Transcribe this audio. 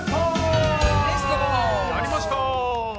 やりました！